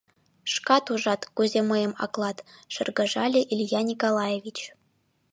— Шкат ужат, кузе мыйым аклат, — шыргыжале Илья Николаевич.